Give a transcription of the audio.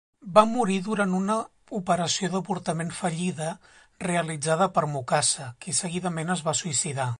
Va morir durant una operació d'avortament fallida realitzada per Mukasa, qui seguidament es va suïcidar.